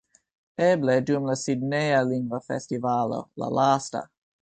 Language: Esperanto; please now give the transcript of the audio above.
Eble dum la Sidneja Lingva Festivalo, la lasta